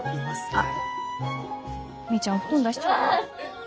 あっみーちゃんお布団出しちゃおっか。